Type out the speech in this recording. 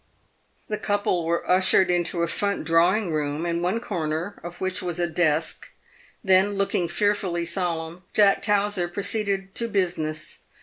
The couple were ushered into a front drawing room, in one corner of which was a desk. Then, looking fearfully solemn, Jack Towser proceeded to busi ness.